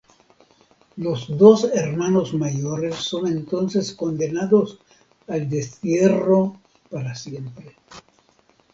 Los dos hermanos mayores son entonces condenados al destierro para siempre.